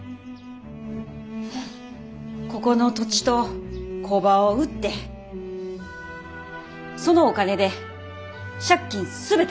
ここの土地と工場を売ってそのお金で借金全て返せます。